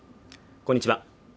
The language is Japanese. こんにちは